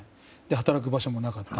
働く場所もなかった。